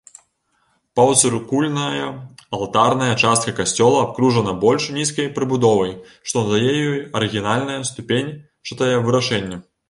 Паўцыркульная алтарная частка касцёла абкружана больш нізкай прыбудовай, што надае ёй арыгінальнае ступеньчатае вырашэнне.